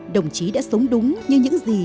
đồng chí đã sống đúng như những gì